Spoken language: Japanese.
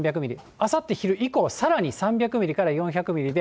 あさって昼以降はさらに３００ミリから４００ミリで。